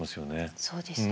そうですね。